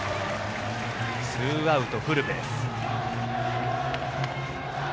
ツーアウトフルベース。